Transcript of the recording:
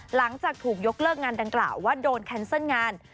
หลังจากถูกยกเลิกงานดังกล่าวว่าโดนแคนเซิลงาน